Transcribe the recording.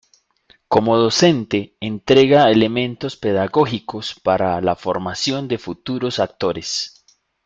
Como docente entrega elementos pedagógicos para la formación de futuros actores.